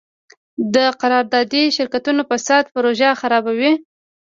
د قراردادي شرکتونو فساد پروژه خرابوي.